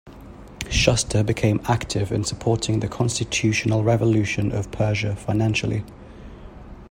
Shuster became active in supporting the Constitutional revolution of Persia financially.